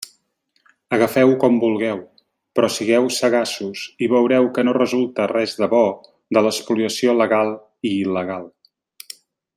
Agafeu-ho com vulgueu, però sigueu sagaços i veureu que no resulta res de bo de l'espoliació legal i il·legal.